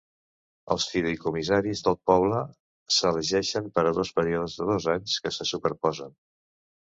Els fideïcomissaris del poble s'elegeixen per a dos períodes de dos anys que se superposen.